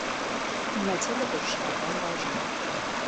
Ունեցել է բժշկական բաժին։